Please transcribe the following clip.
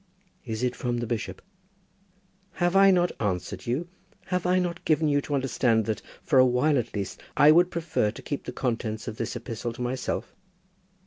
"Is it from the bishop?" "Have I not answered you? Have I not given you to understand that, for a while at least, I would prefer to keep the contents of this epistle to myself?"